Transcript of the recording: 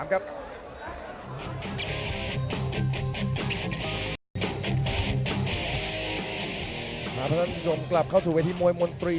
มาพระท่านผู้ชมกลับเข้าสู่วิทยุมวยมนตรี